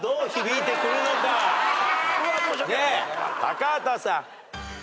高畑さん。